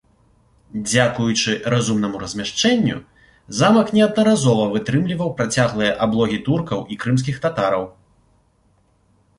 Дзякуючы разумнаму размяшчэнню замак неаднаразова вытрымліваў працяглыя аблогі туркаў і крымскіх татараў.